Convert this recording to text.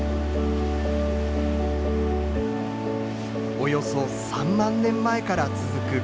およそ３万年前から続く火山活動。